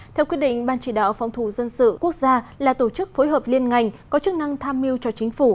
theo quyết định ban chỉ đạo phòng thủ dân sự quốc gia là tổ chức phối hợp liên ngành có chức năng tham mưu cho chính phủ